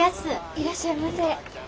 いらっしゃいませ。